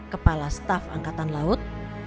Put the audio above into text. kepala staf angkatan laut